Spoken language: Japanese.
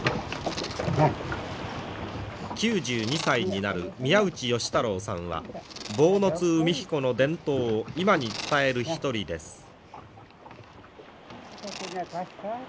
９２歳になる宮内好太郎さんは坊津海彦の伝統を今に伝える一人です。